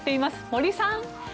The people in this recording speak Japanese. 森さん。